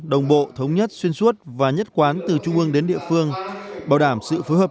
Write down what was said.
đồng bộ thống nhất xuyên suốt và nhất quán từ trung ương đến địa phương bảo đảm sự phối hợp